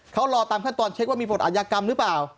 เขารอตามขั้นตอนเช็คว่ามีบทอายากรรมหรือเปล่า